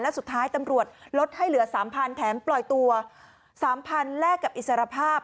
และสุดท้ายตำรวจลดให้เหลือ๓๐๐แถมปล่อยตัว๓๐๐แลกกับอิสรภาพ